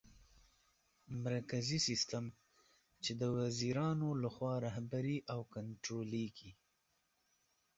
مرکزي سیستم : چي د وزیرانو لخوا رهبري او کنټرولېږي